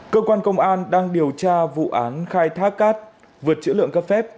cơ quan công an đang điều tra vụ án khai thác cát vượt chữ lượng cấp phép